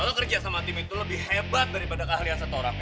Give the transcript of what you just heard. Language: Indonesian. kalau kerja sama tim itu lebih hebat daripada keahlian satorang ya